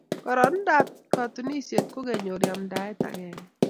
kororonindab katunisiet ko kenyor yamtaet agenge